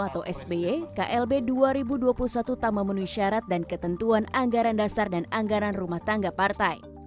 atau sby klb dua ribu dua puluh satu tak memenuhi syarat dan ketentuan anggaran dasar dan anggaran rumah tangga partai